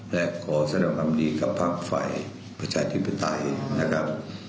และขอแสดงความดีกับภาคฝ่ายประชาธิปไตยนะครับ